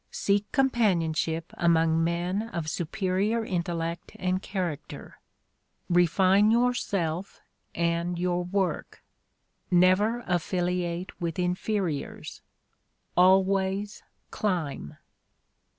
Seek companionship among men of superior intellect and character. Eefine yourself and your work. Never affiliate with inferiors; always climb."